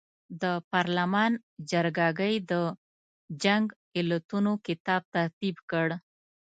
د پارلمان جرګه ګۍ د جنګ علتونو کتاب ترتیب کړ.